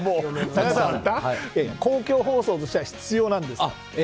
いやいや、公共放送としては必要なんです。